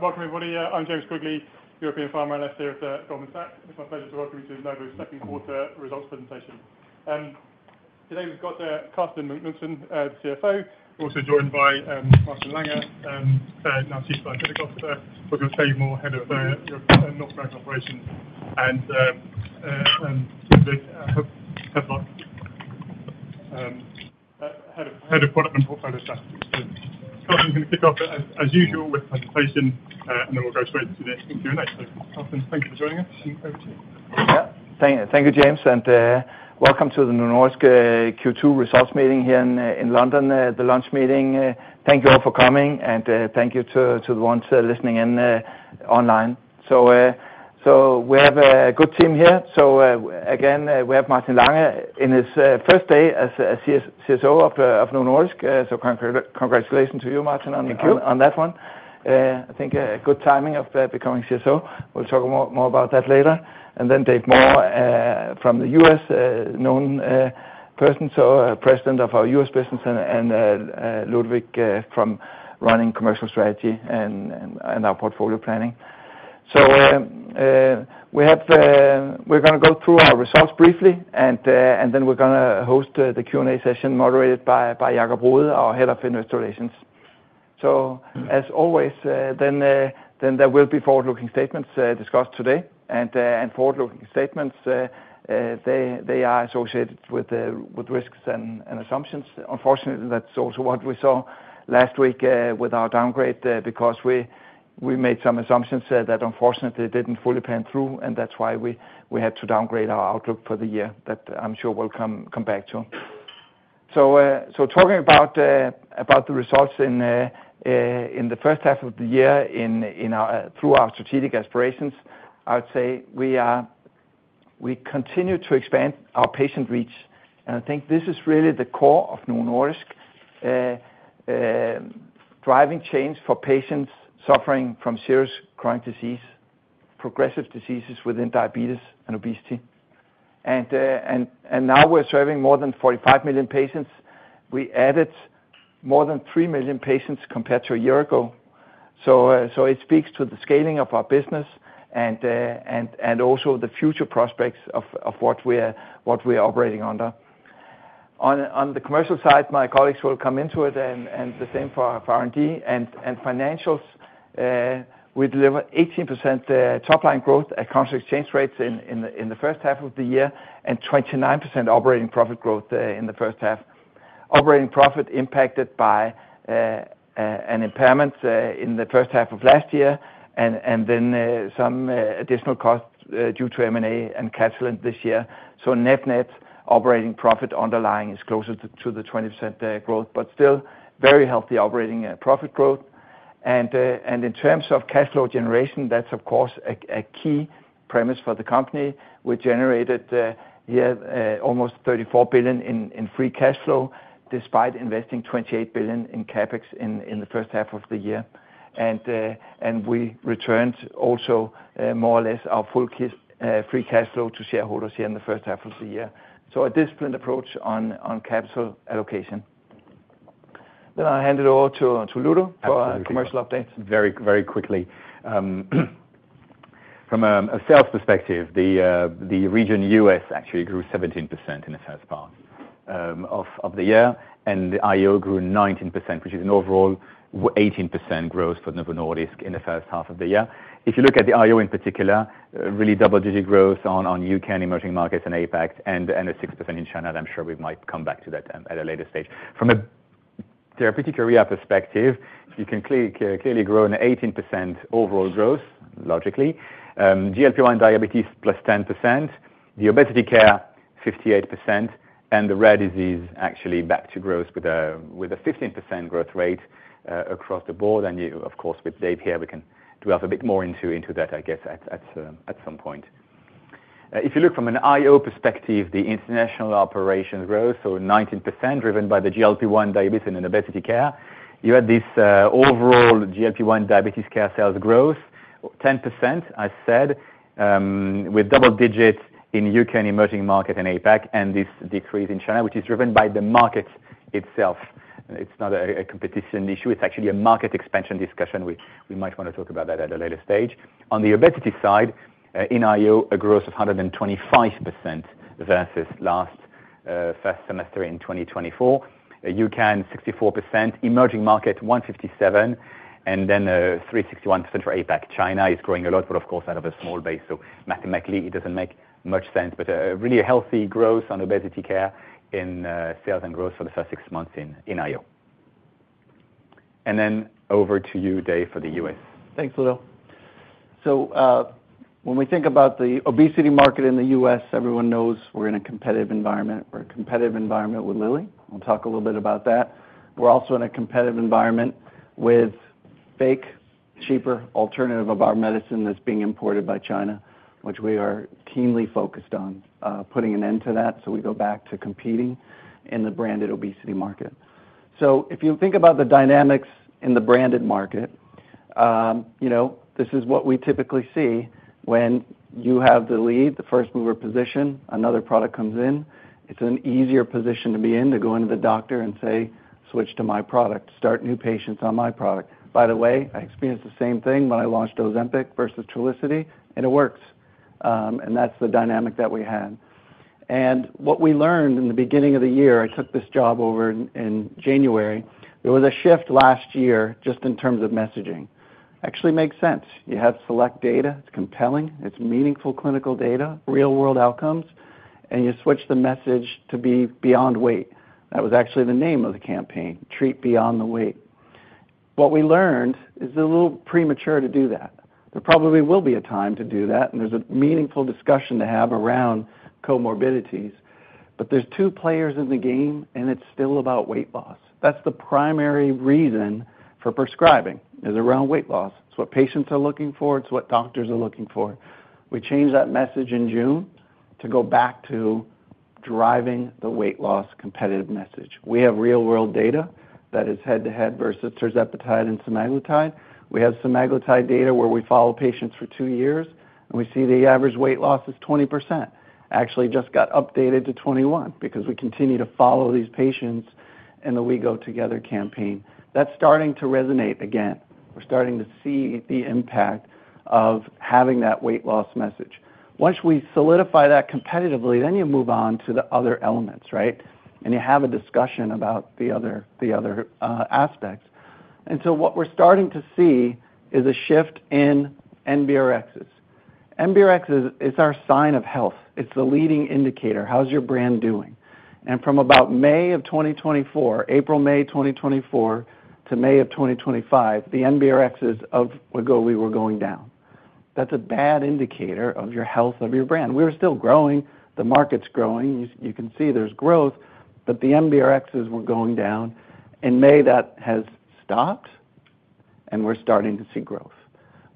Welcome, everybody. I'm James Quigley, European Pharma and SDR at Goldman Sachs. It's my pleasure to welcome you to the Novo Nordisk results presentation. Today we've got Karsten Knudsen, CFO, also joined by Martin Lange, our Chief Scientific Officer, and David Moore, Head of North American Operations, and I hope I've had a product and portfolio staff. Karsten is going to kick off as usual with the presentation, and then we'll go straight into the Q2 analysis. Karsten, thank you for joining us. Thank you, James, and welcome to the Novo Nordisk Q2 results meeting here in London, the launch meeting. Thank you all for coming, and thank you to the ones listening in online. We have a good team here. We have Martin Lange in his first day as Chief Scientific Officer of Novo Nordisk. Congratulations to you, Martin, on that one. I think a good timing of becoming Chief Scientific Officer. We'll talk more about that later. Dave Moore from the U.S., a known person, President of our U.S. business, and Ludovic from running Commercial Strategy and our Portfolio Planning. We're going to go through our results briefly, and we're going to host the Q&A session moderated by Jacob Martin Wiborg Rode, our Head of Investor Relations. As always, there will be forward-looking statements discussed today, and forward-looking statements are associated with risks and assumptions. Unfortunately, that's also what we saw last week with our downgrade because we made some assumptions that unfortunately didn't fully pan through, and that's why we had to downgrade our outlook for the year that I'm sure we'll come back to. Talking about the results in the first half of the year through our strategic aspirations, I would say we continue to expand our patient reach, and I think this is really the core of Novo Nordisk, driving change for patients suffering from serious chronic disease, progressive diseases within diabetes and obesity. Now we're serving more than 45 million patients. We added more than 3 million patients compared to a year ago. It speaks to the scaling of our business and also the future prospects of what we're operating under. On the commercial side, my colleagues will come into it, and the same for R&D and financials. We delivered 18% top-line growth at constant exchange rates in the first half of the year and 29% operating profit growth in the first half. Operating profit was impacted by an impairment in the first half of last year and then some additional costs due to M&A and cash flow this year. Net-net, operating profit underlying is closer to the 20% growth, but still very healthy operating profit growth. In terms of cash flow generation, that's of course a key premise for the company. We generated here almost 34 billion in free cash flow despite investing 28 billion in CapEx in the first half of the year. We returned also more or less our full free cash flow to shareholders here in the first half of the year. A disciplined approach on capital allocation. I'll hand it over to Ludo for a commercial update. Very quickly, from a sales perspective, the region U.S. actually grew 17% in the first part of the year, and the IO grew 19%, which is an overall 18% growth for Novo Nordisk in the first half of the year. If you look at the IO in particular, really double-digit growth on UK and emerging markets and APAC, and a 6% in China. I'm sure we might come back to that at a later stage. From a therapeutic area perspective, you can clearly grow an 18% overall growth logically. GLP-1 diabetes plus 10%, the obesity care 58%, and the rare disease actually back to growth with a 15% growth rate across the board. Of course, with Dave here, we can delve a bit more into that, I guess, at some point. If you look from an IO perspective, the international operations growth, so 19% driven by the GLP-1 diabetes and obesity care, you had this overall GLP-1 diabetes care sales growth, 10%, as said, with double digits in UK and emerging markets and APAC, and this decrease in China, which is driven by the market itself. It's not a competition issue. It's actually a market expansion discussion. We might want to talk about that at a later stage. On the obesity side, in IO, a growth of 125% versus last first semester in 2024. UK 64%, emerging market 157%, and then 361% for APAC. China is growing a lot, but of course out of a small base. Mathematically, it doesn't make much sense, but really a healthy growth on obesity care in sales and growth for the first six months in IO. Over to you, Dave, for the U.S. Thanks, Ludo. When we think about the obesity market in the U.S., everyone knows we're in a competitive environment. We're in a competitive environment with Eli Lilly. We'll talk a little bit about that. We're also in a competitive environment with fake, cheaper alternatives of our medicine that's being imported by China, which we are keenly focused on putting an end to. We go back to competing in the branded obesity market. If you think about the dynamics in the branded market, this is what we typically see when you have the lead, the first mover position, another product comes in. It's an easier position to be in, to go into the doctor and say, switch to my product, start new patients on my product. By the way, I experienced the same thing when I launched Ozempic versus Trulicity, and it works. That's the dynamic that we had. What we learned in the beginning of the year, I took this job over in January. There was a shift last year just in terms of messaging. Actually, it makes sense. You have select data. It's compelling. It's meaningful clinical data, real-world outcomes. You switch the message to be beyond weight. That was actually the name of the campaign, Treat Beyond the Weight. What we learned is it was a little premature to do that. There probably will be a time to do that. There's a meaningful discussion to have around comorbidities. There are two players in the game, and it's still about weight loss. That's the primary reason for prescribing, is around weight loss. It's what patients are looking for. It's what doctors are looking for. We changed that message in June to go back to driving the weight loss competitive message. We have real-world data that is head-to-head versus Tirzepatide and Semaglutide. We have Semaglutide data where we follow patients for two years, and we see the average weight loss is 20%. Actually, it just got updated to 21% because we continue to follow these patients in the We Go Together campaign. That's starting to resonate again. We're starting to see the impact of having that weight loss message. Once we solidify that competitively, you move on to the other elements, right? You have a discussion about the other aspects. What we're starting to see is a shift in NBRXs. NBRX is our sign of health. It's the leading indicator. How's your brand doing? From about April, May 2024 to May 2025, the NBRXs were going down. That's a bad indicator of your health of your brand. We're still growing. The market's growing. You can see there's growth, but the NBRXs were going down. In May, that has stopped, and we're starting to see growth.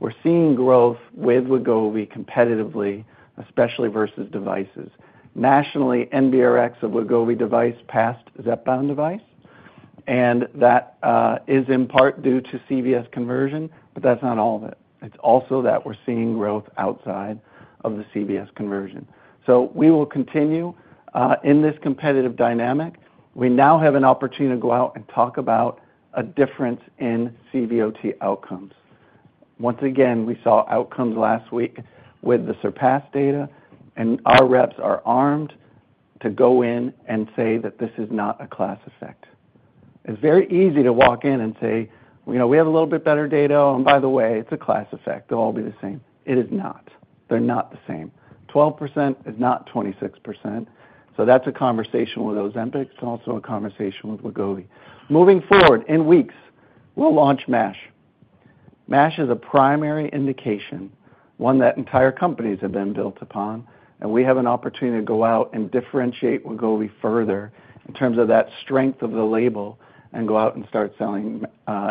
We're seeing growth with Wegovy competitively, especially versus devices. Nationally, NBRX of Wegovy device passed Zepbound device, and that is in part due to CVS conversion, but that's not all of it. It's also that we're seeing growth outside of the CVS conversion. We will continue in this competitive dynamic. We now have an opportunity to go out and talk about a difference in CVOT outcomes. Once again, we saw outcomes last week with the SURPASS data, and our reps are armed to go in and say that this is not a class effect. It's very easy to walk in and say, you know, we have a little bit better data, and by the way, it's a class effect. They'll all be the same. It is not. They're not the same. 12% is not 26%. That's a conversation with Ozempic. It's also a conversation with Wegovy. Moving forward, in weeks, we'll launch MASH. MASH is a primary indication, one that entire companies have been built upon, and we have an opportunity to go out and differentiate Wegovy further in terms of that strength of the label and go out and start selling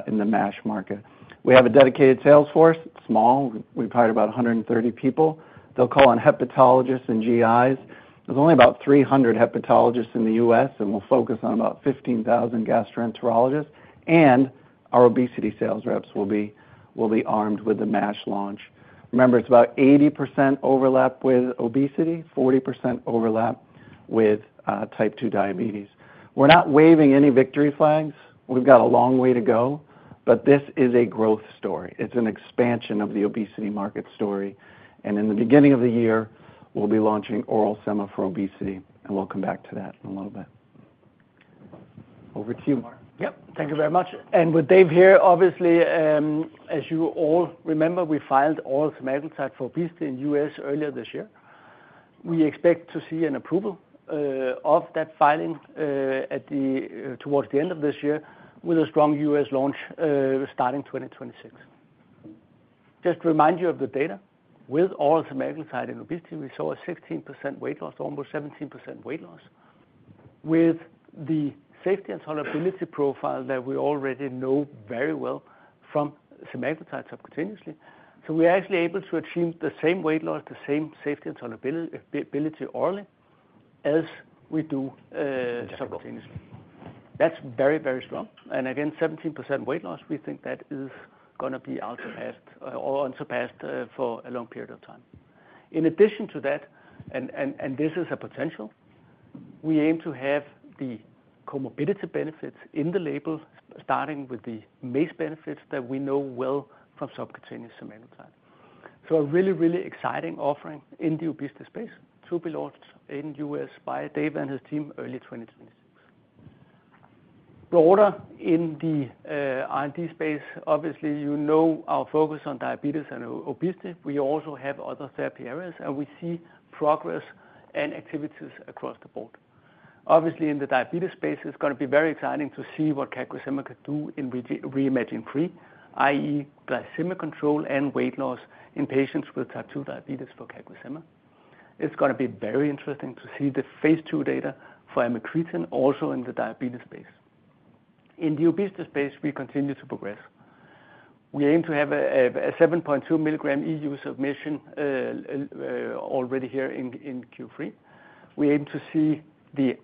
in the MASH market. We have a dedicated sales force, small. We've hired about 130 people. They'll call on hepatologists and GIs. There's only about 300 hepatologists in the U.S., and we'll focus on about 15,000 gastroenterologists, and our obesity sales reps will be armed with the MASH launch. Remember, it's about 80% overlap with obesity, 40% overlap with type 2 diabetes. We're not waving any victory flags. We've got a long way to go, but this is a growth story. It's an expansion of the obesity market story. In the beginning of the year, we'll be launching oral Semaglutide for obesity, and we'll come back to that in a little bit. Over to you, Martin. Thank you very much. With Dave here, obviously, as you all remember, we filed oral Semaglutide for obesity in the U.S. earlier this year. We expect to see an approval of that filing towards the end of this year with a strong U.S. launch starting 2026. Just to remind you of the data, with oral Semaglutide in obesity, we saw a 16% weight loss, almost 17% weight loss, with the safety and tolerability profile that we already know very well from Semaglutide subcutaneously. We are actually able to achieve the same weight loss, the same safety and tolerability orally as we do subcutaneously. That is very, very strong. Again, 17% weight loss, we think that is going to be unSURPASSed for a long period of time. In addition to that, and this is a potential, we aim to have the comorbidity benefits in the label, starting with the MACE benefits that we know well from subcutaneous Semaglutide. A really, really exciting offering in the obesity space to be launched in the U.S. by Dave and his team early 2026. Broader in the R&D space, you know our focus on diabetes and obesity. We also have other therapy areas, and we see progress and activities across the board. In the diabetes space, it is going to be very exciting to see what CagriSema could do in re-imaging pre, i.e., glycemic control and weight loss in patients with type 2 diabetes for CagriSema. It is going to be very interesting to see the phase two data for Amycretin also in the diabetes space. In the obesity space, we continue to progress. We aim to have a 7.2 milligram EU submission already here in Q3. We aim to see the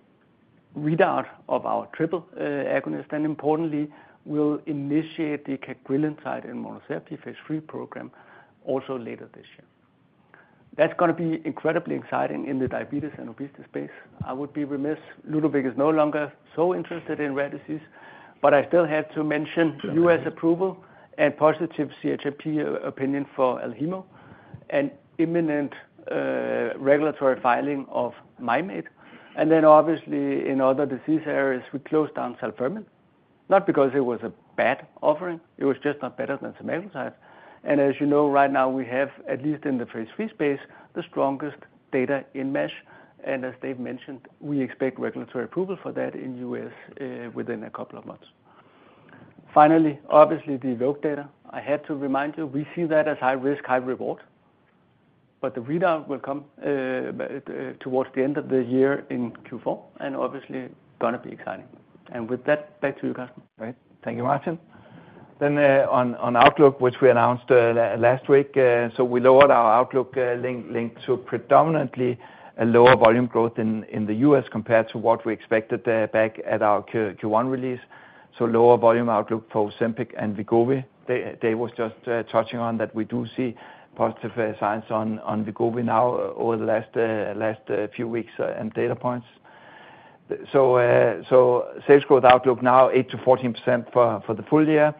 readout of our triple agonist, and importantly, we will initiate the Kagrelantide and monotherapy phase three program also later this year. That is going to be incredibly exciting in the diabetes and obesity space. I would be remiss, Ludovic is no longer so interested in rare disease, but I still had to mention U.S. approval and positive CHMP opinion for Alhemo, and imminent regulatory filing of Mymate. In other disease areas, we closed down Salpermin, not because it was a bad offering. It was just not better than Semaglutide. As you know, right now we have, at least in the phase three space, the strongest data in MASH. As Dave mentioned, we expect regulatory approval for that in the U.S. within a couple of months. Finally, the evoked data. I have to remind you, we see that as high risk, high reward. The readout will come towards the end of the year in Q4, and it is going to be exciting. With that, back to you, Karsten. Thank you, Martin. On outlook, which we announced last week, we lowered our outlook linked to predominantly a lower volume growth in the U.S. compared to what we expected back at our Q1 release. Lower volume outlook for Ozempic and Wegovy. Dave was just touching on that we do see positive signs on Wegovy now over the last few weeks and data points. Sales growth outlook now 8% to 14% for the full year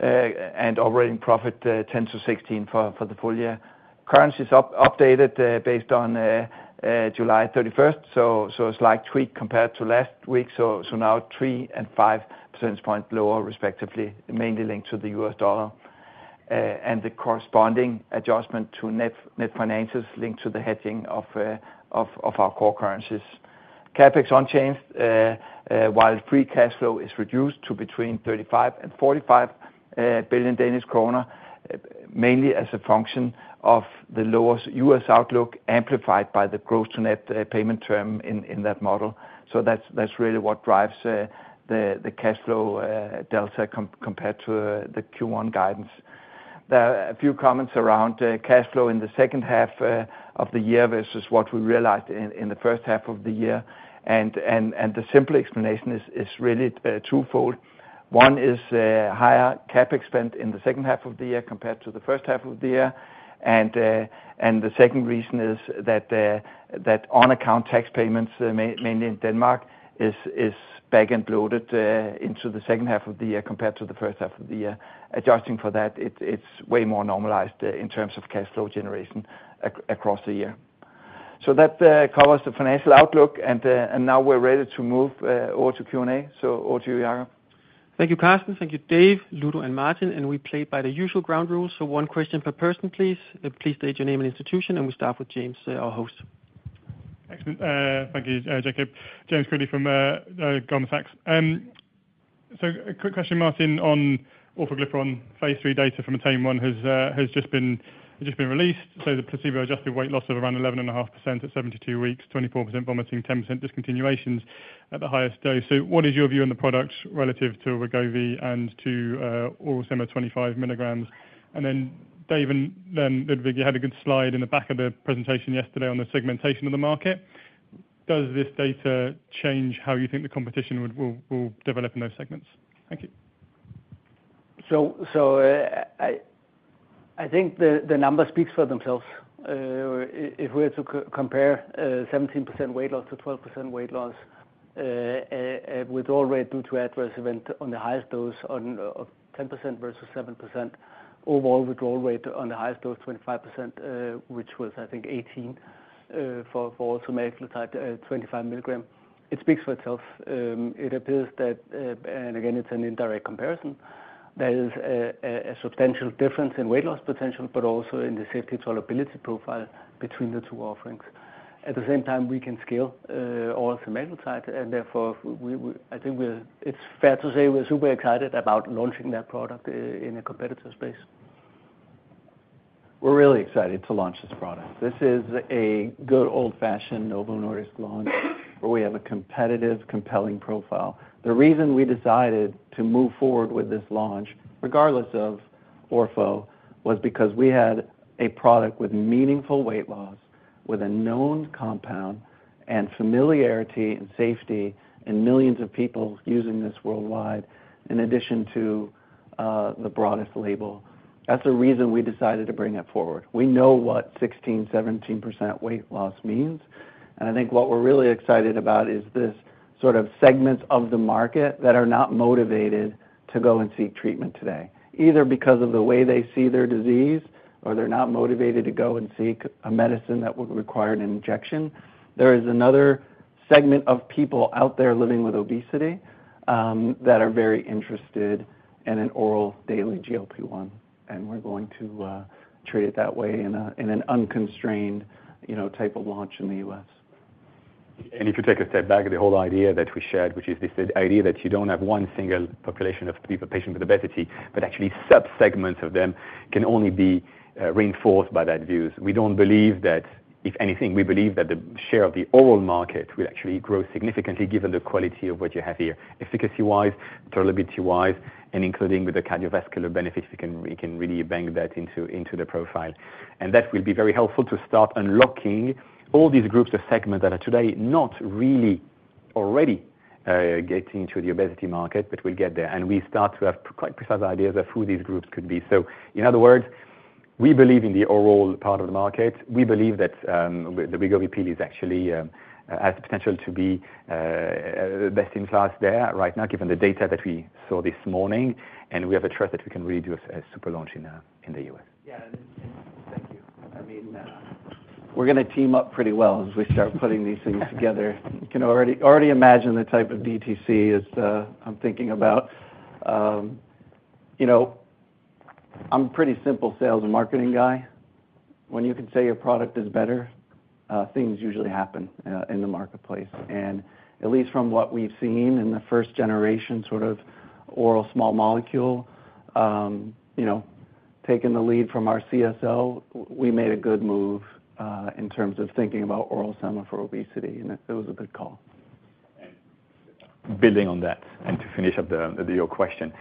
and operating profit 10% to 16% for the full year. Currency is updated based on July 31. A slight tweak compared to last week. Now 3 and 5 percentage points lower respectively, mainly linked to the U.S. dollar and the corresponding adjustment to net financials linked to the hedging of our core currencies. CapEx unchanged, while free cash flow is reduced to between 35 billion and 45 billion Danish kroner, mainly as a function of the lowest U.S. outlook amplified by the gross-to-net payment term in that model. That's really what drives the cash flow delta compared to the Q1 guidance. There are a few comments around cash flow in the second half of the year versus what we realized in the first half of the year. The simple explanation is really twofold. One is higher CapEx spend in the second half of the year compared to the first half of the year. The second reason is that on-account tax payments, mainly in Denmark, is back and bloated into the second half of the year compared to the first half of the year. Adjusting for that, it's way more normalized in terms of cash flow generation across the year. That covers the financial outlook. Now we're ready to move over to Q&A. Over to you, Jacob. Thank you, Karsten. Thank you, Dave, Ludo, and Martin. We played by the usual ground rules. One question per person, please. Please state your name and institution, and we'll start with James, our host. Thanks. Thank you, Jacob. James Quigley from Goldman Sachs. A quick question, Martin, on Orforglipron, phase three data from a team one has just been released. The placebo-adjusted weight loss of around 11.5% at 72 weeks, 24% vomiting, 10% discontinuations at the highest dose. What is your view on the product relative to Wegovy and to oral Semaglutide, 25 milligrams? Dave and Ludovic, you had a good slide in the back of the presentation yesterday on the segmentation of the market. Does this data change how you think the competition will develop in those segments? Thank you. I think the numbers speak for themselves. If we were to compare 17% weight loss to 12% weight loss, withdrawal rate due to adverse event on the highest dose of 10% versus 7%, overall withdrawal rate on the highest dose 25%, which was, I think, 18% for oral Semaglutide 25 milligrams, it speaks for itself. It appears that, and again, it's an indirect comparison, there is a substantial difference in weight loss potential, but also in the safety and tolerability profile between the two offerings. At the same time, we can scale oral Semaglutide, and therefore, I think it's fair to say we're super excited about launching that product in a competitive space. We're really excited to launch this product. This is a good old-fashioned Novo Nordisk launch where we have a competitive, compelling profile. The reason we decided to move forward with this launch, regardless of oral, was because we had a product with meaningful weight loss, with a known compound, and familiarity and safety in millions of people using this worldwide, in addition to the broadest label. That's the reason we decided to bring it forward. We know what 16%, 17% weight loss means. What we're really excited about is this sort of segment of the market that are not motivated to go and seek treatment today, either because of the way they see their disease or they're not motivated to go and seek a medicine that would require an injection. There is another segment of people out there living with obesity that are very interested in an oral daily GLP-1. We're going to treat it that way in an unconstrained type of launch in the U.S. If you take a step back, the whole idea that we shared, which is this idea that you don't have one single population of people, patients with obesity, but actually subsegments of them, can only be reinforced by that view. We don't believe that, if anything, we believe that the share of the oral market will actually grow significantly given the quality of what you have here, efficacy-wise, tolerability-wise, and including with the cardiovascular benefits, we can really bank that into the profile. That will be very helpful to start unlocking all these groups of segments that are today not really already getting to the obesity market, but we'll get there. We start to have quite precise ideas of who these groups could be. In other words, we believe in the oral part of the market. We believe that the Wegovy pill has the potential to be the best in class there right now, given the data that we saw this morning. We have a trust that we can really do a super launch in the U.S. Yeah, thank you. I mean. We're going to team up pretty well as we start putting these things together. You can already imagine the type of DTC I'm thinking about. You know, I'm a pretty simple sales and marketing guy. When you can say your product is better, things usually happen in the marketplace. At least from what we've seen in the first generation sort of oral small molecule, taking the lead from our CSO, we made a good move in terms of thinking about oral Semaglutide for obesity. It was a good call. Building on that, to finish up your question,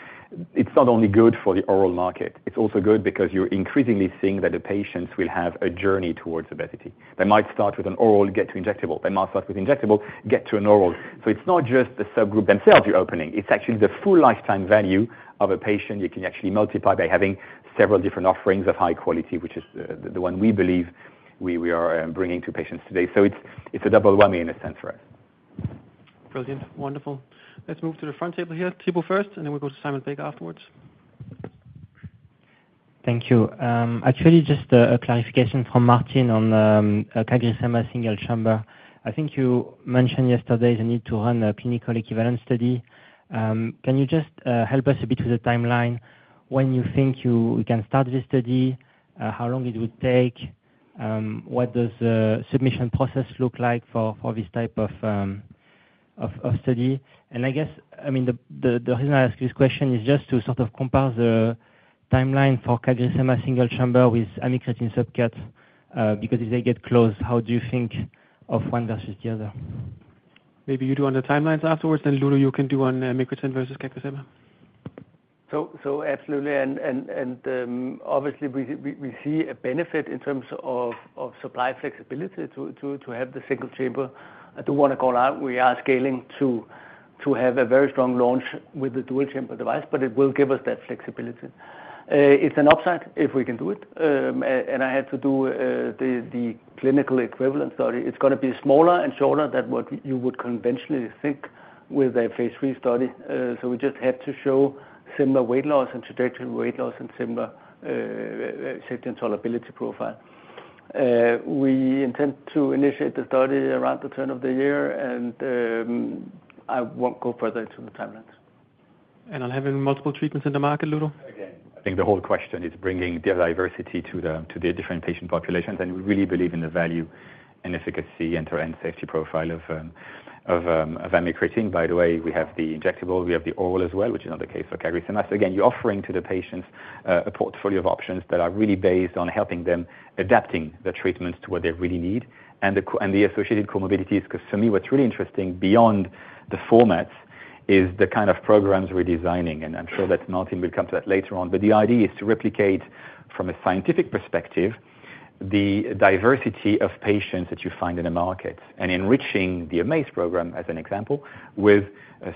it's not only good for the oral market. It's also good because you're increasingly seeing that the patients will have a journey towards obesity. They might start with an oral, get to injectable. They might start with injectable, get to an oral. It's not just the subgroup themselves you're opening. It's actually the full lifetime value of a patient. You can actually multiply by having several different offerings of high quality, which is the one we believe we are bringing to patients today. It's a double whammy in a sense for us. Brilliant. Wonderful. Let's move to the front table here, table first, and then we'll go to Simon Baker afterwards. Thank you. Actually, just a clarification from Martin on CagriSema single chamber. I think you mentioned yesterday the need to run a clinical equivalence study. Can you just help us a bit with the timeline when you think you can start this study? How long it would take? What does the submission process look like for this type of study? I guess the reason I ask this question is just to sort of compare the timeline for CagriSema single chamber with Amycretin subcut, because if they get close, how do you think of one versus the other? Maybe you do on the timelines afterwards, then Ludo, you can do on Amycretin versus CagriSema? Absolutely, we see a benefit in terms of supply flexibility to have the single chamber. I do want to call out we are scaling to have a very strong launch with the dual chamber device, but it will give us that flexibility. It's an upside if we can do it. I had to do the clinical equivalence study. It's going to be smaller and shorter than what you would conventionally think with a phase 3 study. We just had to show similar weight loss and trajectory weight loss and similar safety and tolerability profile. We intend to initiate the study around the turn of the year, and I won't go further into the timelines. Are there multiple treatments in the market, Ludo? I think the whole question is bringing diversity to the different patient populations. We really believe in the value and efficacy and safety profile of Amycretin. By the way, we have the injectable. We have the oral as well, which is not the case for CagriSema. You're offering to the patients a portfolio of options that are really based on helping them adapt the treatments to what they really need and the associated comorbidities. For me, what's really interesting beyond the formats is the kind of programs we're designing. I'm sure that Martin will come to that later on. The idea is to replicate, from a scientific perspective, the diversity of patients that you find in the market and enriching the MAIS program, as an example, with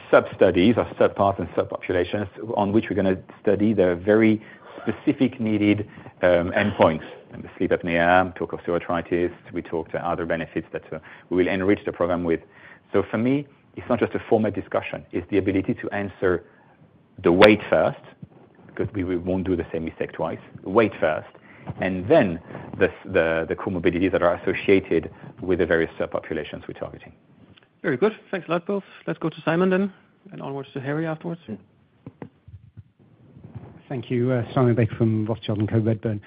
sub-studies or sub-parts and sub-populations on which we're going to study the very specific needed endpoints. The sleep apnea, we talk of psoriasis, we talk to other benefits that we will enrich the program with. For me, it's not just a format discussion. It's the ability to answer the weight first, because we won't do the same mistake twice, the weight first, and then the comorbidities that are associated with the various sub-populations we're targeting. Very good. Thanks a lot, both. Let's go to Simon then, and onwards to Harry afterwards. Thank you, Simon Baker from Rothschild and Co. Redburn.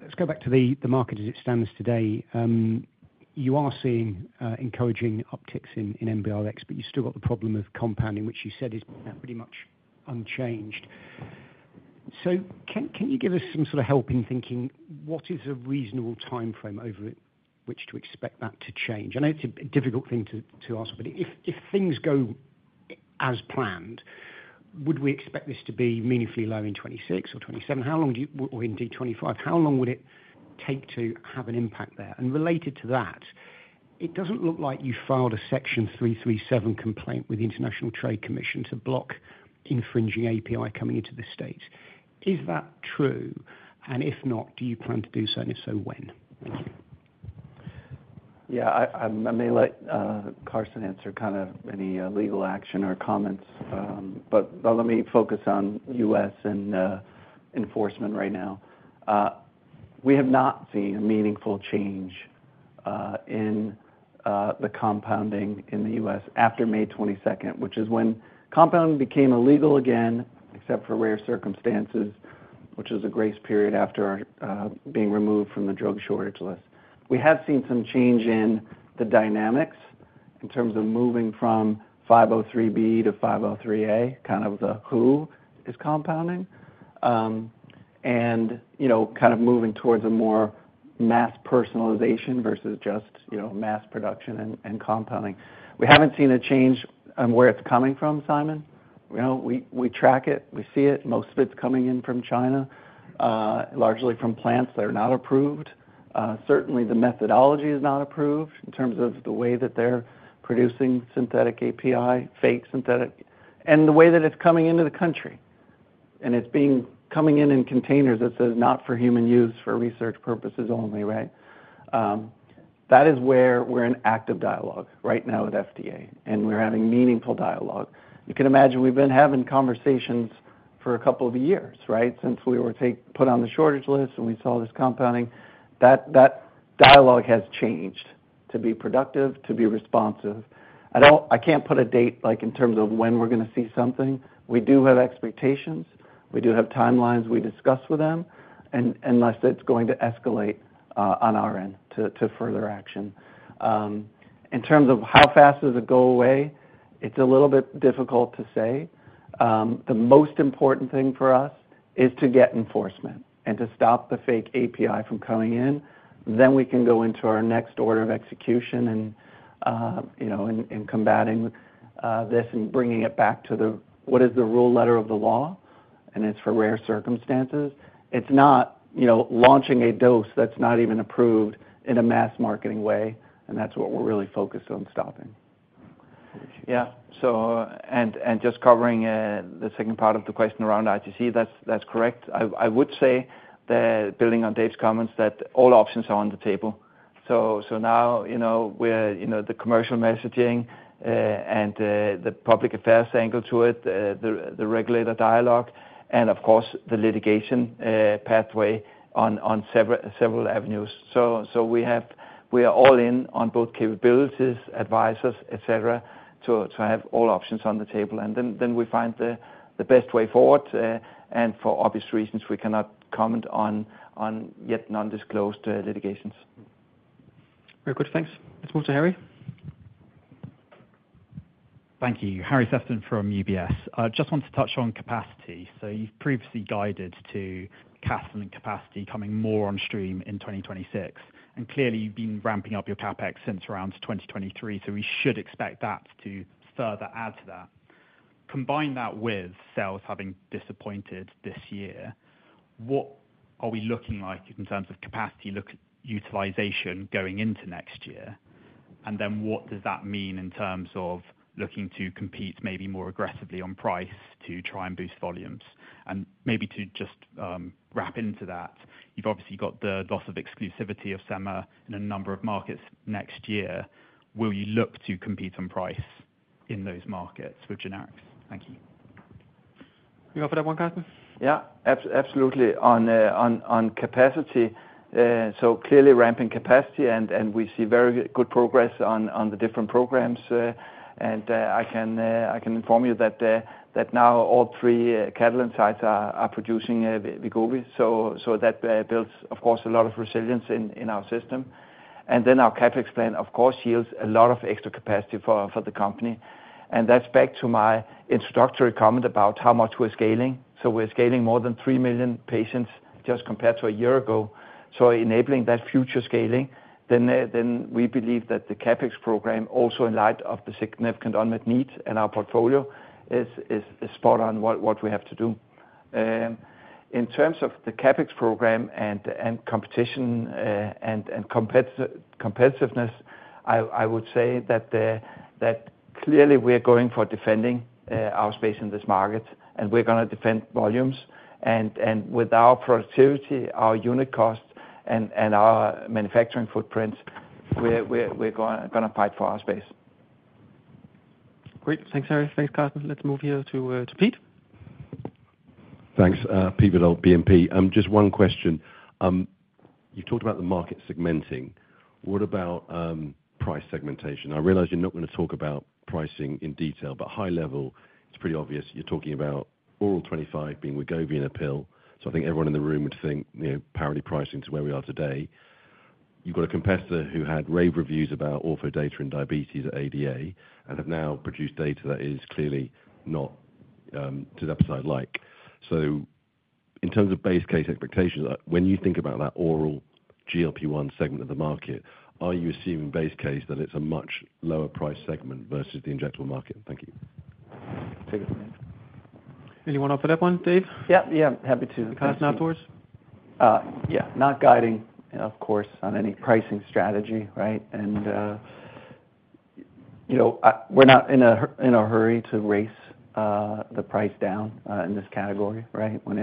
Let's go back to the market as it stands today. You are seeing encouraging upticks in MBRx, but you've still got the problem of compounding, which you said is pretty much unchanged. Can you give us some sort of help in thinking what is a reasonable timeframe over which to expect that to change? I know it's a difficult thing to ask for, but if things go as planned, would we expect this to be meaningfully low in 2026 or 2027? How long do you, or indeed 2025, how long would it take to have an impact there? Related to that, it doesn't look like you filed a Section 337 complaint with the International Trade Commission to block infringing API coming into the U.S. Is that true? If not, do you plan to do so? If so, when? I may let Karsten answer any legal action or comments, but let me focus on U.S. and enforcement right now. We have not seen a meaningful change in the compounding in the U.S. after May 22, which is when compounding became illegal again, except for rare circumstances, which is a grace period after being removed from the drug shortage list. We have seen some change in the dynamics in terms of moving from 503B to 503A, kind of the who is compounding, and moving towards a more mass personalization versus just mass production and compounding. We haven't seen a change in where it's coming from, Simon. We track it. We see it. Most of it's coming in from China, largely from plants that are not approved. Certainly, the methodology is not approved in terms of the way that they're producing synthetic API, fake synthetic, and the way that it's coming into the country. It's coming in containers that say not for human use, for research purposes only. That is where we're in active dialogue right now with FDA, and we're having meaningful dialogue. You can imagine we've been having conversations for a couple of years, right, since we were put on the shortage list and we saw this compounding. That dialogue has changed to be productive, to be responsive. I can't put a date in terms of when we're going to see something. We do have expectations. We do have timelines we discuss with them, unless it's going to escalate on our end to further action. In terms of how fast does it go away, it's a little bit difficult to say. The most important thing for us is to get enforcement and to stop the fake API from coming in. We can go into our next order of execution and combating this and bringing it back to what is the rule letter of the law, and it's for rare circumstances. It's not launching a dose that's not even approved in a mass marketing way, and that's what we're really focused on stopping. Yeah, just covering the second part of the question around ITC, that's correct. I would say that, building on Dave's comments, all options are on the table. Now, the commercial messaging and the public affairs angle to it, the regulator dialogue, and of course, the litigation pathway on several avenues. We are all in on both capabilities, advisors, etc to have all options on the table. We find the best way forward. For obvious reasons, we cannot comment on yet nondisclosed litigations. Very good, thanks. Let's move to Harry. Thank you. Harry Sefton from UBS. I just want to touch on capacity. You've previously guided to CASM and capacity coming more on stream in 2026, and clearly, you've been ramping up your CapEx since around 2023, so we should expect that to further add to that. Combine that with sales having disappointed this year, what are we looking like in terms of capacity utilization going into next year? What does that mean in terms of looking to compete maybe more aggressively on price to try and boost volumes? Maybe to just wrap into that, you've obviously got the loss of exclusivity of Sema in a number of markets next year. Will you look to compete on price in those markets with GenAX? Thank you. You offer that one, Karsten? Yeah, absolutely. On capacity, clearly ramping capacity, and we see very good progress on the different programs. I can inform you that now all three Catalent sites are producing Wegovy. That builds, of course, a lot of resilience in our system. Our CapEx plan, of course, yields a lot of extra capacity for the company. That's back to my introductory comment about how much we're scaling. We're scaling more than 3 million patients just compared to a year ago. Enabling that future scaling, we believe that the CapEx program, also in light of the significant unmet needs in our portfolio, is spot on what we have to do. In terms of the CapEx program and competition and competitiveness, I would say that clearly we're going for defending our space in this market, and we're going to defend volumes. With our productivity, our unit cost, and our manufacturing footprint, we're going to fight for our space. Great. Thanks, Harry. Thanks, Karsten. Let's move here to Pete. Thanks, Pete of BMO. Just one question. You've talked about the market segmenting. What about price segmentation? I realize you're not going to talk about pricing in detail, but high level, it's pretty obvious you're talking about oral 25 being Wegovy and a pill. I think everyone in the room would think, you know, parity pricing to where we are today. You've got a competitor who had rave reviews about ortho data in diabetes at ADA and have now produced data that is clearly not to the upside. In terms of base case expectations, when you think about that oral GLP-1 segment of the market, are you assuming base case that it's a much lower price segment versus the injectable market? Thank you. Anyone offer that one, Dave? Yeah, happy to. Karsten, afterwards. Yeah, not guiding, of course, on any pricing strategy, right? We're not in a hurry to race the price down in this category, right? When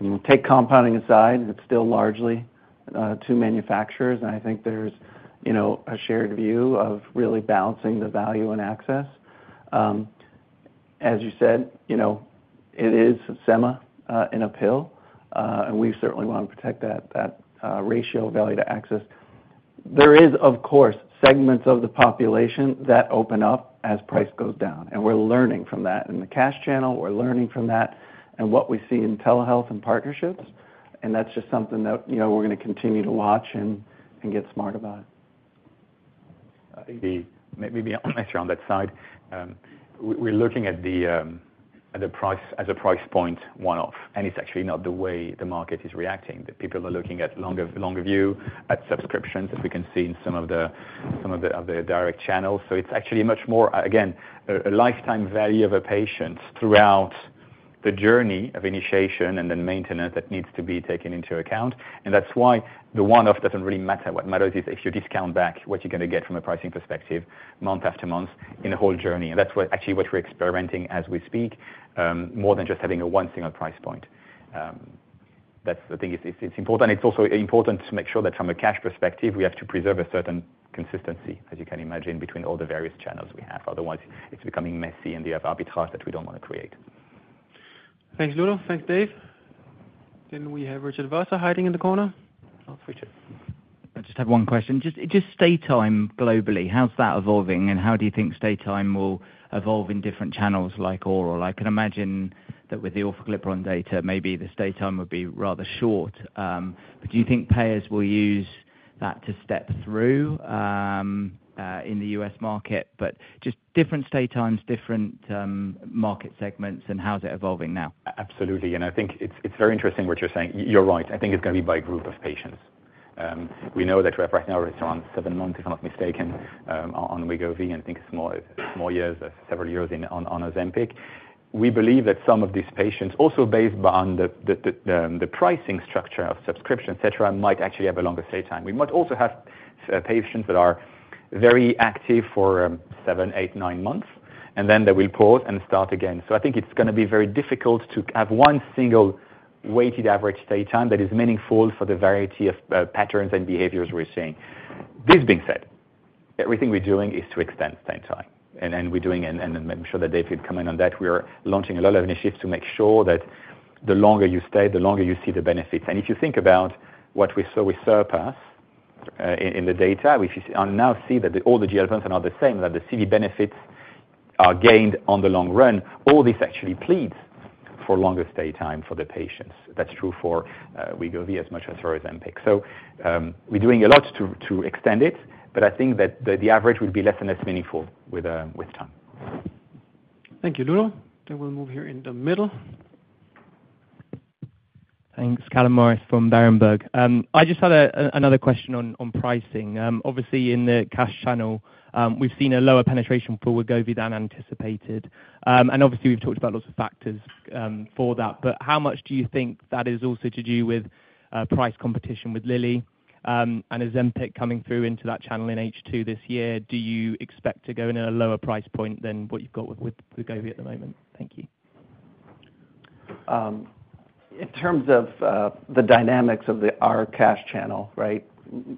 you take compounding aside, it's still largely two manufacturers. I think there's a shared view of really balancing the value and access. As you said, it is Sema in a pill, and we certainly want to protect that ratio of value to access. There are, of course, segments of the population that open up as price goes down. We're learning from that in the cash channel. We're learning from that and what we see in telehealth and partnerships. That's just something that we're going to continue to watch and get smart about. Maybe I'll answer on that side. We're looking at the price as a price point one-off, and it's actually not the way the market is reacting. People are looking at longer view at subscriptions that we can see in some of the direct channels. It's actually much more, again, a lifetime value of a patient throughout the journey of initiation and then maintenance that needs to be taken into account. That's why the one-off doesn't really matter. What matters is if you discount back what you're going to get from a pricing perspective month after month in the whole journey. That's actually what we're experimenting as we speak, more than just having a single price point. That's the thing. It's important. It's also important to make sure that from a cash perspective, we have to preserve a certain consistency, as you can imagine, between all the various channels we have. Otherwise, it's becoming messy and you have arbitrage that we don't want to create. Thanks, Ludo. Thanks, Dave. Then we have Richard Vosser hiding in the corner. Richard.I just have one question. Just stay time globally. How's that evolving? How do you think stay time will evolve in different channels like oral? I can imagine that with the oral Semaglutide data, maybe the stay time would be rather short. Do you think payers will use that to step through in the U.S. market? Just different stay times, different market segments, and how's it evolving now? Absolutely. I think it's very interesting what you're saying. You're right. I think it's going to be by group of patients. We know that right now it's around seven months, if I'm not mistaken, on Wegovy. I think it's more years, several years on Ozempic. We believe that some of these patients, also based on the pricing structure of subscription, etc., might actually have a longer stay time. We might also have patients that are very active for seven, eight, nine months, and then they will pause and start again. I think it's going to be very difficult to have one single weighted average stay time that is meaningful for the variety of patterns and behaviors we're seeing. This being said, everything we're doing is to extend stay time. I'm sure that Dave could comment on that. We're launching a lot of initiatives to make sure that the longer you stay, the longer you see the benefits. If you think about what we saw with SURPASS in the data, we now see that all the GLP-1s are not the same, that the CV benefits are gained in the long run. All this actually pleads for longer stay time for the patients. That's true for Wegovy as much as for Ozempic. We're doing a lot to extend it, but I think that the average would be less and less meaningful with time. Thank you, Ludo. We will move here in the middle. Thanks, Carla Morris from Berenberg. I just had another question on pricing. Obviously, in the cash channel, we've seen a lower penetration for Wegovy than anticipated. We've talked about lots of factors for that. How much do you think that is also to do with price competition with Eli Lilly and Ozempic coming through into that channel in H2 this year? Do you expect to go in at a lower price point than what you've got with Wegovy at the moment? Thank you. In terms of the dynamics of our cash channel, I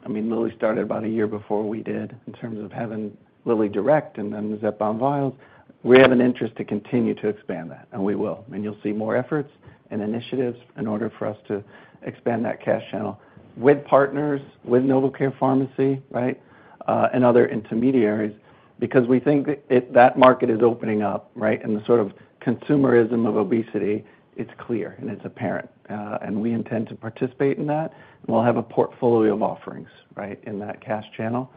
mean, Eli Lilly started about a year before we did in terms of having Lilly Direct and then Zepbound Vial. We have an interest to continue to expand that, and we will. You will see more efforts and initiatives in order for us to expand that cash channel with partners, with NovoCare Pharmacy, and other intermediaries, because we think that market is opening up, and the sort of consumerism of obesity, it's clear and it's apparent. We intend to participate in that. We will have a portfolio of offerings in that cash channel.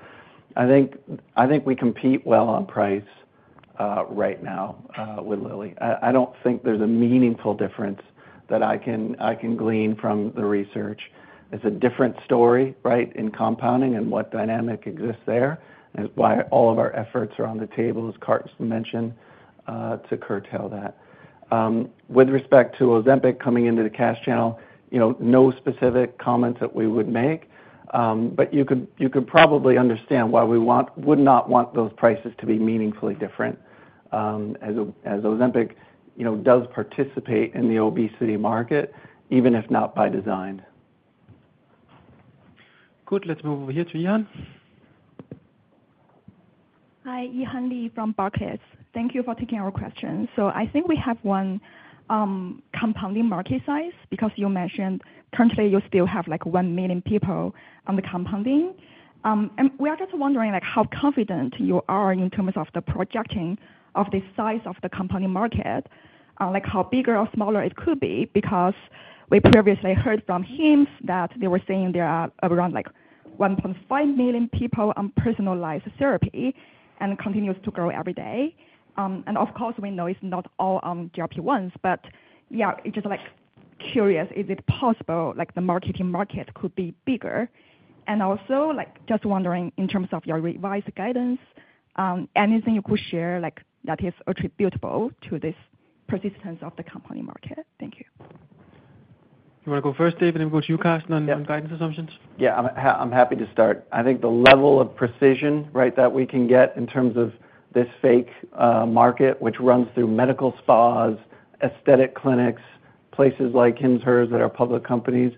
I think we compete well on price right now with Eli Lilly. I don't think there's a meaningful difference that I can glean from the research. It's a different story in compounding and what dynamic exists there. It's why all of our efforts are on the table, as Karsten Knudsen mentioned, to curtail that. With respect to Ozempic coming into the cash channel, no specific comments that we would make, but you could probably understand why we would not want those prices to be meaningfully different as Ozempic does participate in the obesity market, even if not by design. Good. Let's move over here to Yihan. Hi, Yihan Li from Barclays. Thank you for taking our question. I think we have one compounding market size because you mentioned currently you still have like 1 million people on the compounding. We are just wondering how confident you are in terms of the projecting of the size of the compounding market, like how bigger or smaller it could be because we previously heard from Hims that they were saying there are around 1.5 million people on personalized therapy and continues to grow every day. Of course, we know it's not all on GLP-1s, but yeah, it's just like curious, is it possible the compounding market could be bigger? Also, just wondering in terms of your revised guidance, anything you could share that is attributable to this persistence of the compounding market? Thank you. You want to go first, Dave, and then we'll go to you, Karsten, on guidance assumptions? Yeah, I'm happy to start. I think the level of precision that we can get in terms of this fake market, which runs through medical spas, aesthetic clinics, places like Hims, Hers that are public companies,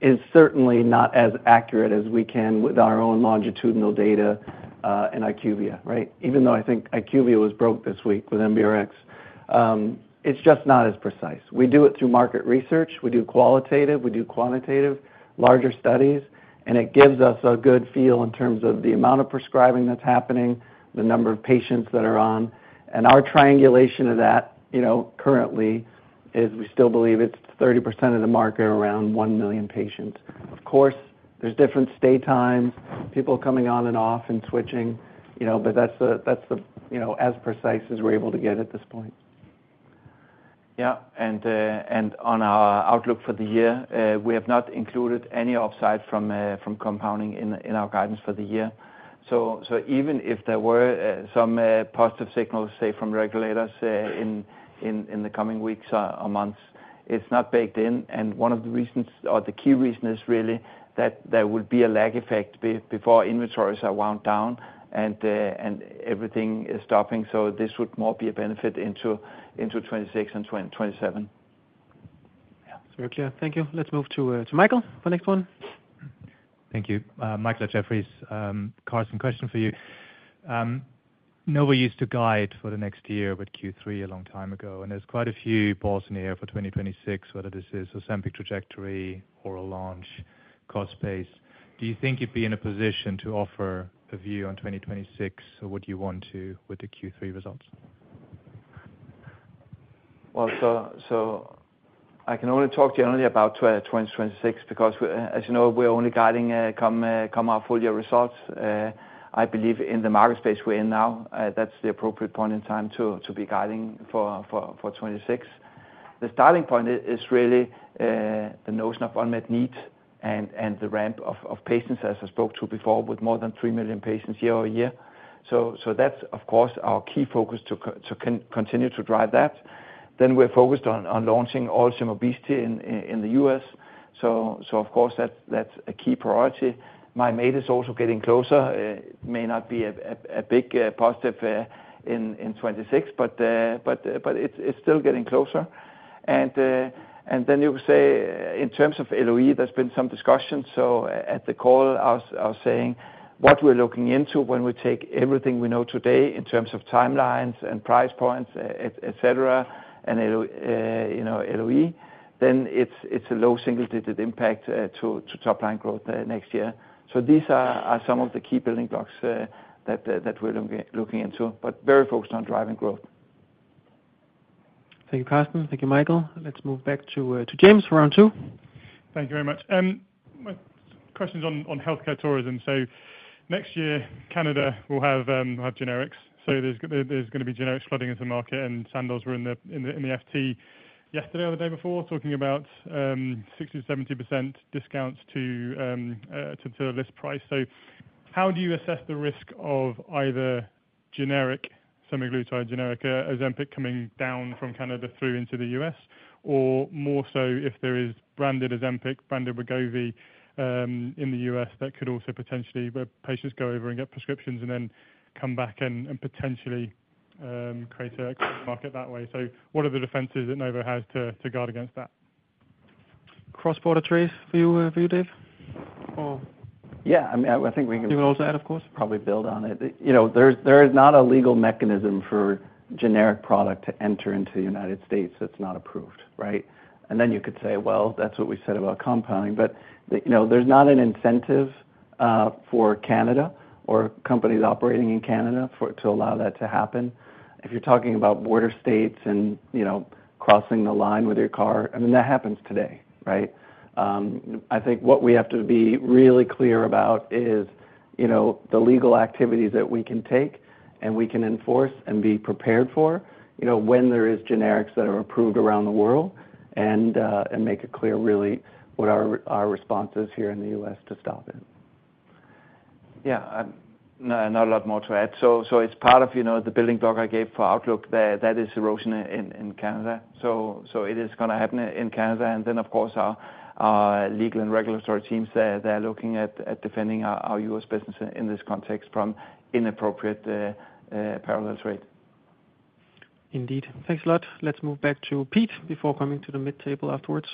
is certainly not as accurate as we can with our own longitudinal data in IQVIA, right? Even though I think IQVIA was broke this week with MBRx, it's just not as precise. We do it through market research. We do qualitative, we do quantitative, larger studies, and it gives us a good feel in terms of the amount of prescribing that's happening, the number of patients that are on. Our triangulation of that currently is we still believe it's 30% of the market, around 1 million patients. Of course, there's different stay times, people coming on and off and switching, but that's as precise as we're able to get at this point. Yeah, on our outlook for the year, we have not included any upside from compounding in our guidance for the year. Even if there were some positive signals, say, from regulators in the coming weeks or months, it's not baked in. The key reason is really that there will be a lag effect before inventories are wound down and everything is stopping. This would more be a benefit into 2026 and 2027. Yeah, very clear. Thank you. Let's move to Michael for the next one. Thank you. Michael at Jefferies. Karsten, question for you. Novo used to guide for the next year with Q3 a long time ago, and there's quite a few balls in the air for 2026, whether this is Ozempic trajectory, oral launch, cost base. Do you think you'd be in a position to offer a view on 2026, or would you want to with the Q3 results? I can only talk generally about 2026 because, as you know, we're only guiding come our full-year results. I believe in the market space we're in now, that's the appropriate point in time to be guiding for 2026. The starting point is really the notion of unmet need and the ramp of patients, as I spoke to before, with more than 3 million patients year over year. That's, of course, our key focus to continue to drive that. We're focused on launching oral Semaglutide in the U.S., so that's a key priority. Mymate is also getting closer. It may not be a big positive in 2026, but it's still getting closer. You could say in terms of loss of exclusivity, there's been some discussion. At the call, I was saying what we're looking into when we take everything we know today in terms of timelines and price points, et cetera, and loss of exclusivity, then it's a low single-digit impact to top-line growth next year. These are some of the key building blocks that we're looking into, but very focused on driving growth. Thank you, Karsten. Thank you, Michael. Let's move back to James for round two. Thank you very much. My question is on healthcare tourism. Next year, Canada will have generics. There's going to be generics flooding into the market. Sandoz were in the FT yesterday or the day before talking about 60% to 70% discounts to a list price. How do you assess the risk of either generic Semaglutide or generic Ozempic coming down from Canada into the U.S., or more so if there is branded Ozempic, branded Wegovy in the U.S. that could also potentially be where patients go over and get prescriptions and then come back and potentially create an excess market that way? What are the defenses that Novo Nordisk has to guard against that? Cross-border trees for you, Dave? Yeah, I think we. You want to also add, of course? Probably build on it. You know, there is not a legal mechanism for a generic product to enter into the U.S. that's not approved, right? You could say that's what we said about compounding, but you know, there's not an incentive for Canada or companies operating in Canada to allow that to happen. If you're talking about border states and crossing the line with your car, that happens today, right? I think what we have to be really clear about is the legal activities that we can take and we can enforce and be prepared for when there are generics that are approved around the world, and make it clear really what our response is here in the U.S. to stop it. Yeah, not a lot more to add. It's part of the building block I gave for outlook that is erosion in Canada. It is going to happen in Canada. Of course, our legal and regulatory teams are looking at defending our U.S. business in this context from inappropriate parallel trade. Indeed. Thanks a lot. Let's move back to Pete before coming to the mid-table afterwards.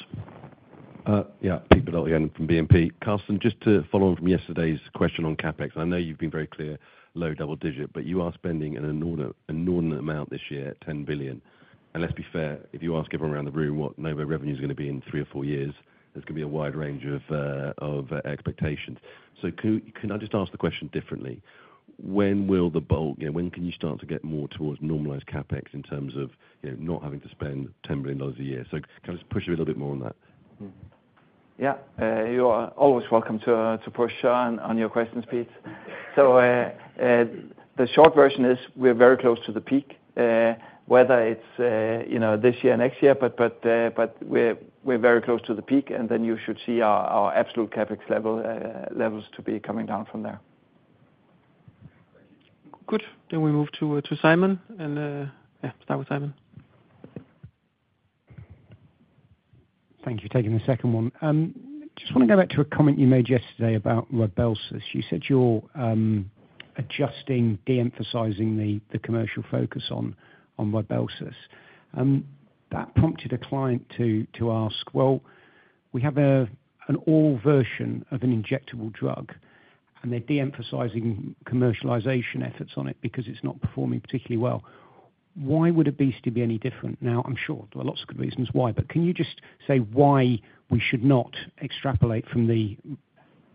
Yeah Pete Rodriguez from BMO. Karsten, just to follow on from yesterday's question on CapEx, and I know you've been very clear, low double digit, but you are spending an inordinate amount this year, $10 billion. Let's be fair, if you ask everyone around the room what Novo Nordisk revenue is going to be in three or four years, there's going to be a wide range of expectations. Can I just ask the question differently? When will the bulk, when can you start to get more towards normalized CapEx in terms of not having to spend $10 billion a year? Can I just push a little bit more on that? You're always welcome to push on your questions, Pete. The short version is we're very close to the peak, whether it's this year or next year, but we're very close to the peak. You should see our absolute CapEx levels to be coming down from there. Good. We move to Simon, and yeah, start with Simon. Thank you for taking the second one. I just want to go back to a comment you made yesterday about Rybelsus. You said you're adjusting, deemphasizing the commercial focus on Rybelsus. That prompted a client to ask, we have an oral version of an injectable drug, and they're deemphasizing commercialization efforts on it because it's not performing particularly well. Why would obesity be any different? I'm sure there are lots of good reasons why, but can you just say why we should not extrapolate from the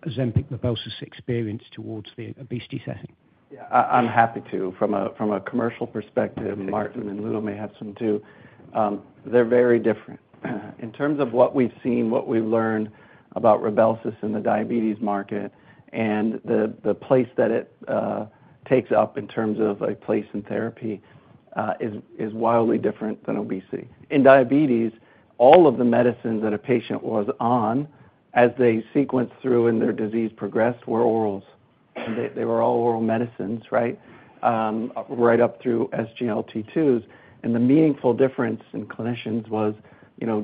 Ozempic Rybelsus experience towards the obesity setting? Yeah, I'm happy to. From a commercial perspective, Martin and Ludo may have some too. They're very different. In terms of what we've seen, what we've learned about Rybelsus in the diabetes market, and the place that it takes up in terms of a place in therapy is wildly different than obesity. In diabetes, all of the medicines that a patient was on as they sequenced through and their disease progressed were orals, and they were all oral medicines, right up through SGLT2s. The meaningful difference in clinicians was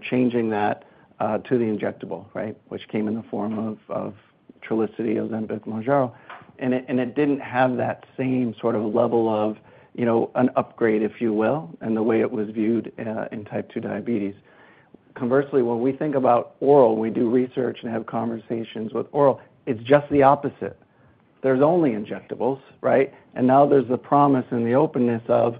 changing that to the injectable, which came in the form of Trulicity, Ozempic, Mounjaro. It didn't have that same sort of level of an upgrade, if you will, in the way it was viewed in type 2 diabetes. Conversely, when we think about oral, we do research and have conversations with oral, it's just the opposite. There's only injectables, right? Now there's the promise and the openness of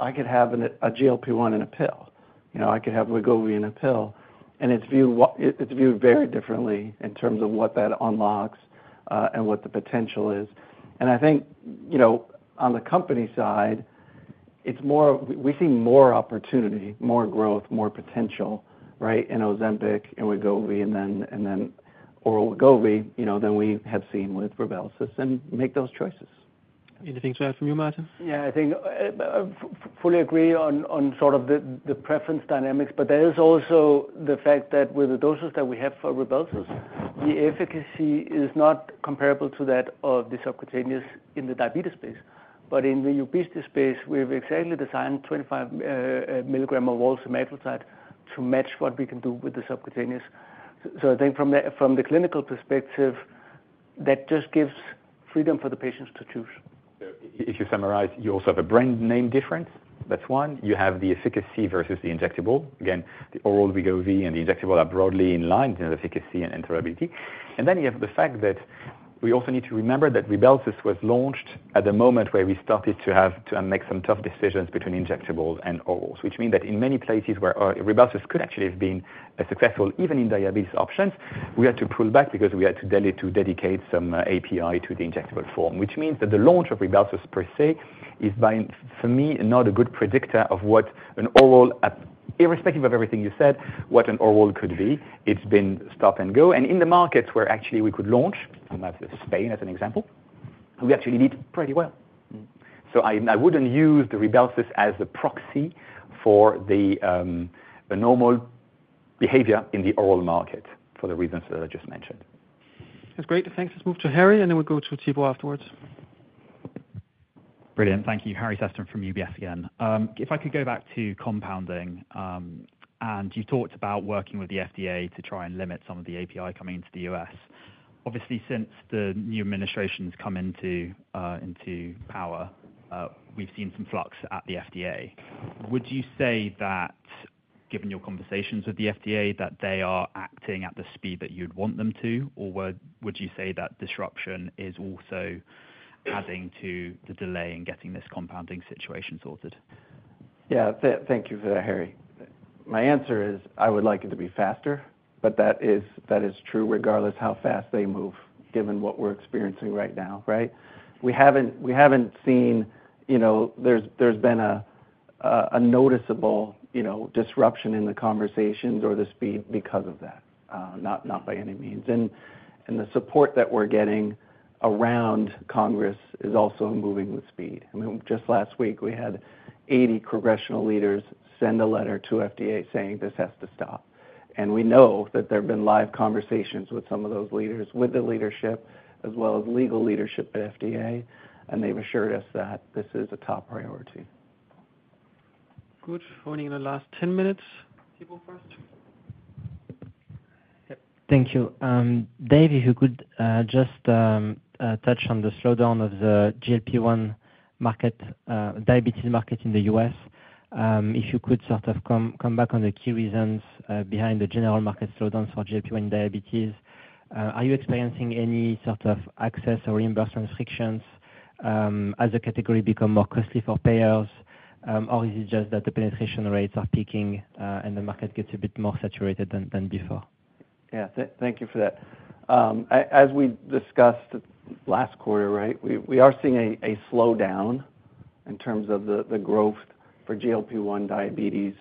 I could have a GLP-1 in a pill. You know, I could have Wegovy in a pill. It's viewed very differently in terms of what that unlocks and what the potential is. I think, on the company side, we see more opportunity, more growth, more potential, in Ozempic and Wegovy and then oral Wegovy, than we have seen with Rybelsus and make those choices. Anything to add from you, Martin? Yeah, I think I fully agree on sort of the preference dynamics, but there's also the fact that with the doses that we have for Rybelsus, the efficacy is not comparable to that of the subcutaneous in the diabetes space. In the obesity space, we've exactly designed 25 milligram oral Semaglutide to match what we can do with the subcutaneous. I think from the clinical perspective, that just gives freedom for the patients to choose. If you summarize, you also have a brand name difference. That's one. You have the efficacy versus the injectable. Again, the oral Wegovy and the injectable are broadly in line in efficacy and tolerability. You have the fact that we also need to remember that Rybelsus was launched at a moment where we started to make some tough decisions between injectables and orals, which means that in many places where Rybelsus could actually have been successful, even in diabetes options, we had to pull back because we had to dedicate some API to the injectable form, which means that the launch of Rybelsus per se is, for me, not a good predictor of what an oral, irrespective of everything you said, what an oral could be. It's been stop and go. In the markets where actually we could launch, and that's Spain as an example, we actually did pretty well. I wouldn't use the Rybelsus as the proxy for the normal behavior in the oral market for the reasons that I just mentioned. That's great. Thanks. Let's move to Harry, and then we'll go to Tibor afterwards. Brilliant. Thank you. Harry Sefton from UBS again. If I could go back to compounding, and you've talked about working with the FDA to try and limit some of the API coming into the U.S. Obviously, since the new administration's come into power, we've seen some flux at the FDA. Would you say that, given your conversations with the FDA, that they are acting at the speed that you'd want them to, or would you say that disruption is also adding to the delay in getting this compounding situation sorted? Thank you for that, Harry. My answer is I would like it to be faster, but that is true regardless of how fast they move, given what we're experiencing right now, right? We haven't seen, you know, there's been a noticeable disruption in the conversations or the speed because of that, not by any means. The support that we're getting around Congress is also moving with speed. Just last week, we had 80 congressional leaders send a letter to FDA saying this has to stop. We know that there have been live conversations with some of those leaders, with the leadership, as well as legal leadership at FDA. They've assured us that this is a top priority. Good. Only in the last 10 minutes, Tibor first. Yep, thank you. David, if you could just touch on the slowdown of the GLP-1 market, diabetes market in the U.S. If you could sort of come back on the key reasons behind the general market slowdown for GLP-1 in diabetes, are you experiencing any sort of access or reimbursement restrictions as the category becomes more costly for payers, or is it just that the penetration rates are peaking and the market gets a bit more saturated than before? Thank you for that. As we discussed last quarter, we are seeing a slowdown in terms of the growth for GLP-1 diabetes.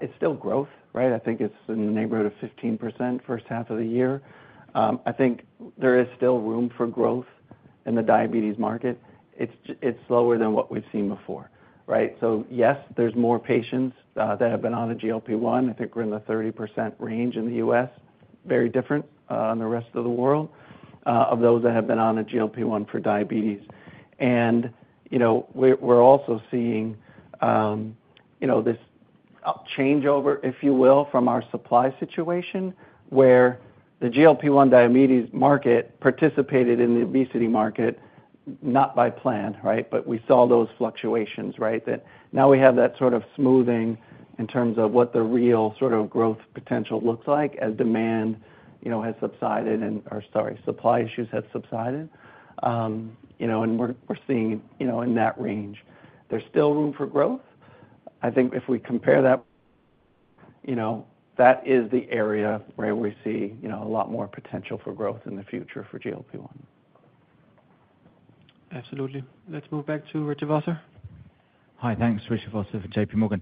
It's still growth, right? I think it's in the neighborhood of 15% first half of the year. I think there is still room for growth in the diabetes market. It's slower than what we've seen before, right? Yes, there's more patients that have been on the GLP-1. I think we're in the 30% range in the U.S., very different than the rest of the world of those that have been on the GLP-1 for diabetes. We're also seeing this changeover, if you will, from our supply situation where the GLP-1 diabetes market participated in the obesity market, not by plan, right? We saw those fluctuations, right? Now we have that sort of smoothing in terms of what the real sort of growth potential looks like as demand has subsided and our supply issues have subsided. We're seeing it in that range. There's still room for growth. I think if we compare that, that is the area where we see a lot more potential for growth in the future for GLP-1. Absolutely. Let's move back to Richard Vosser. Hi, thanks, Richard Vosser for JPMorgan.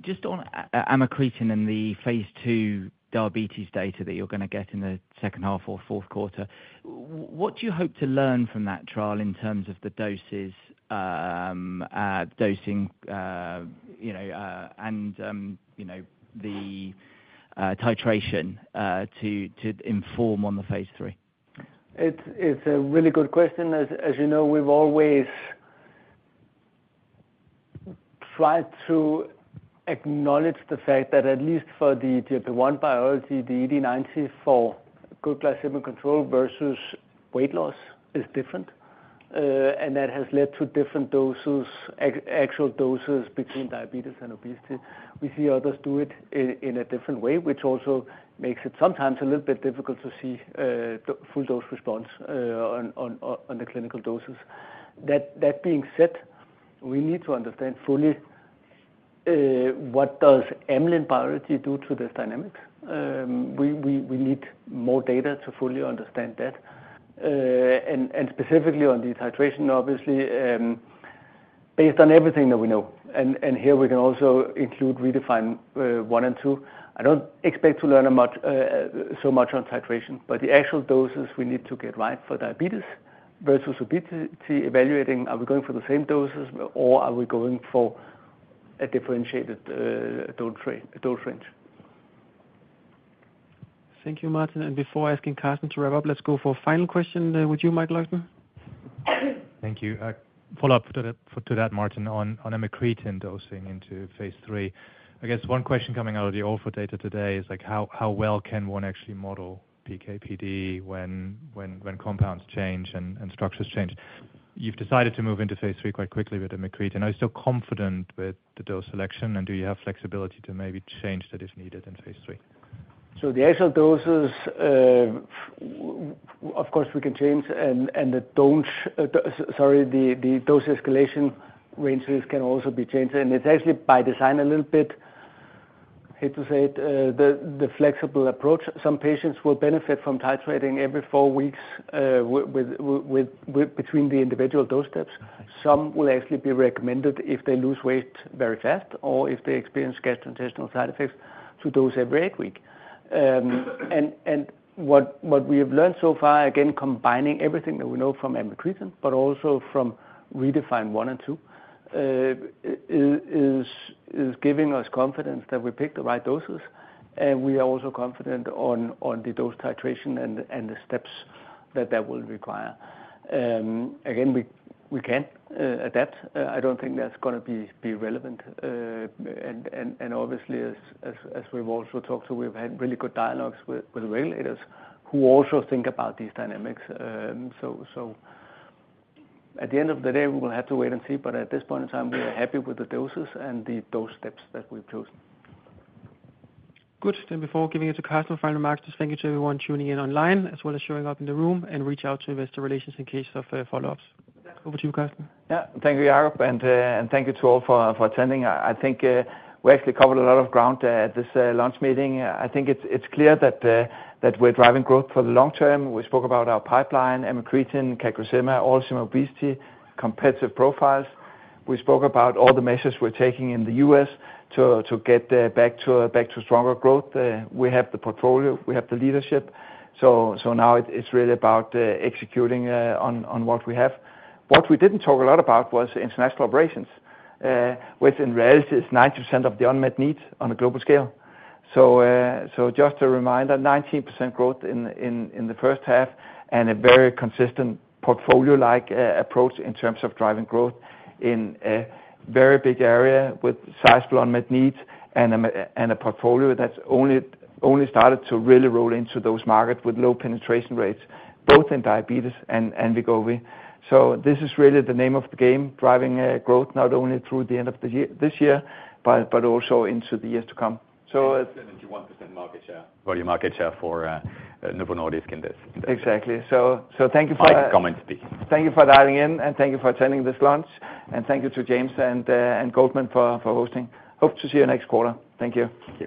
Just on Amycretin and the phase two diabetes data that you're going to get in the second half or fourth quarter, what do you hope to learn from that trial in terms of the doses, dosing, you know, and, you know, the titration to inform on the phase three? It's a really good question. As you know, we've always tried to acknowledge the fact that at least for the GLP-1 biology, the 80-90 for good glycemic control versus weight loss is different. That has led to different doses, actual doses between diabetes and obesity. We see others do it in a different way, which also makes it sometimes a little bit difficult to see full dose response on the clinical doses. That being said, we need to understand fully what does Amycretin biology do to this dynamic? We need more data to fully understand that. Specifically on the titration, obviously, based on everything that we know. Here we can also include REDEFINE one and two. I don't expect to learn so much on titration, but the actual doses we need to get right for diabetes versus obesity, evaluating are we going for the same doses or are we going for a differentiated dose range? Thank you, Martin. Before asking Karsten to wrap up, let's go for a final question with you, Mike Leuchter. Thank you. Follow up to that, Martin, on Amycretin dosing into phase three. I guess one question coming out of the orphan data today is how well can one actually model PKPD when compounds change and structures change? You've decided to move into phase three quite quickly with Amycretin. Are you still confident with the dose selection, and do you have flexibility to maybe change that if needed in phase three? The actual doses, of course, we can change, and the dose escalation ranges can also be changed. It is actually by design a little bit, I hate to say it, the flexible approach. Some patients will benefit from titrating every four weeks between the individual dose steps. Some will actually be recommended, if they lose weight very fast or if they experience gastrointestinal side effects, to dose every eight weeks. What we have learned so far, again, combining everything that we know from Amycretin, but also from REDEFINE 1 and 2, is giving us confidence that we pick the right doses, and we are also confident on the dose titration and the steps that that will require. We can adapt. I don't think that's going to be relevant. Obviously, as we've also talked to, we've had really good dialogues with regulators who also think about these dynamics. At the end of the day, we will have to wait and see. At this point in time, we are happy with the doses and the dose steps that we've chosen. Good. Before giving it to Karsten, final remarks, just thank you to everyone tuning in online, as well as showing up in the room, and reach out to investor relations in case of follow-ups. Over to you, Karsten. Yeah, thank you, Jacob, and thank you to all for attending. I think we actually covered a lot of ground at this launch meeting. I think it's clear that we're driving growth for the long term. We spoke about our pipeline, Amycretin, CagriSema, oral Semaglutide, competitive profiles. We spoke about all the measures we're taking in the U.S. to get back to stronger growth. We have the portfolio. We have the leadership. Now it's really about executing on what we have. What we didn't talk a lot about was international operations, which in reality is 90% of the unmet need on a global scale. Just a reminder, 19% growth in the first half and a very consistent portfolio-like approach in terms of driving growth in a very big area with sizable unmet needs and a portfolio that's only started to really roll into those markets with low penetration rates, both in diabetes and Wegovy. This is really the name of the game, driving growth not only through the end of this year, but also into the years to come. You want to spend market share. What are your market share for Novo Nordisk in this? Exactly. Thank you for that. Thank you for dialing in, and thank you for attending this launch. Thank you to James and Goldman Sachs for hosting. Hope to see you next quarter. Thank you. Great.